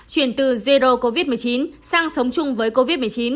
chuyển từ jerdo covid một mươi chín sang sống chung với covid một mươi chín